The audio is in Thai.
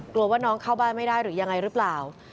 ว่าน้องเข้าบ้านไม่ได้หรือยังไงหรือเปล่า